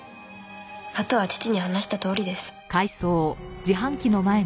あとは父に話したとおりです。